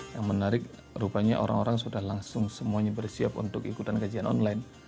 yang menarik rupanya orang orang sudah langsung semuanya bersiap untuk ikutan kajian online